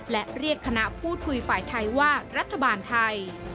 และเรียกคณะพูดคุยฝ่ายไทยว่ารัฐบาลไทย